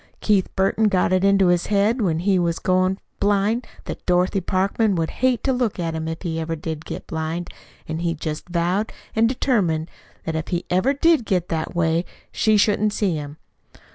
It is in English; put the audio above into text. Keith Burton got it into his head when he was first goin' blind that Dorothy Parkman would hate to look at him if ever he did get blind; an' he just vowed an' determined that if ever he did get that way, she shouldn't see him.